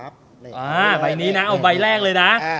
ใบนี้นะเอาใบแรกเลยนะ